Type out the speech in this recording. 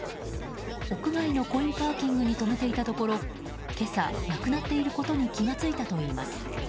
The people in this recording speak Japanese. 屋外のコインパーキングに止めていたところ今朝、なくなっていることに気が付いたといいます。